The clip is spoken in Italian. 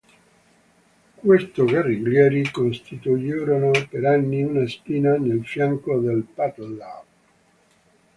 Questi guerriglieri costituirono per anni una spina nel fianco del Pathet Lao.